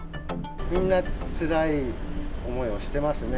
みんなつらい思いをしてますね。